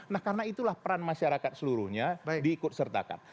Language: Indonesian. nah karena itulah peran masyarakat seluruhnya diikut sertakan